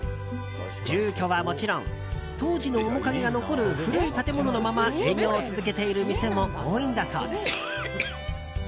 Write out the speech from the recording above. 住居はもちろん当時の面影が残る古い建物のまま営業を続けている店も多いんだそうです。